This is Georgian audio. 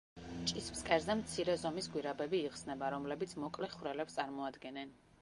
ჭის ფსკერზე მცირე ზომის გვირაბები იხსნება, რომლებიც მოკლე ხვრელებს წარმოადგენენ.